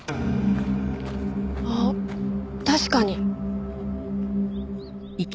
あっ確かに。